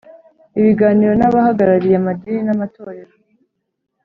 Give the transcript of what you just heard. ibiganiro n’abahagarariye amadini n’amatorero